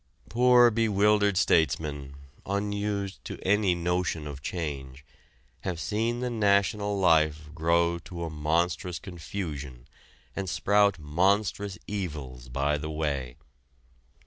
Poor bewildered statesmen, unused to any notion of change, have seen the national life grow to a monstrous confusion and sprout monstrous evils by the way.